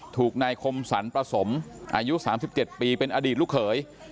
ถูกนายคมสรรประสมอายุ๓๗ปีเป็นอดีตลูกเขย